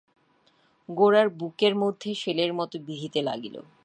গোরার বুকের মধ্যে শেলের মতো বিঁধিতে লাগিল।